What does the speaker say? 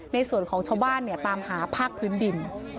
ในส่วนของชาวบ้านตามหาภาคพื้นดิน